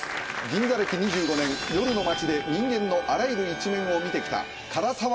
銀座歴２５年夜の街で人間のあらゆる一面を見て来た唐沢